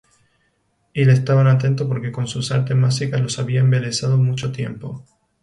Y le estaban atentos, porque con sus artes mágicas los había embelesado mucho tiempo.